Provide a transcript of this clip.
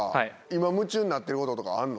今夢中になってることとかあんの？